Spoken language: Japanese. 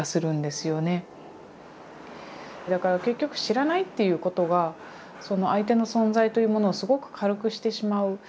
だから結局知らないっていうことが相手の存在というものをすごく軽くしてしまう。